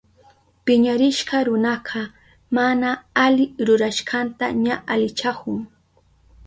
Piñarishka runaka mana ali rurashkanta ña alichahun.